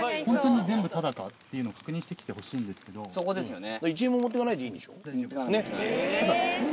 そこですよね。